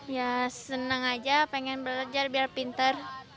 ya senang aja pengen belajar biar pinter